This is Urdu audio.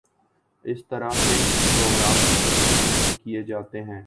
اس طرح کے پروگرام ختم کیوں نہیں کیے جاتے ہیں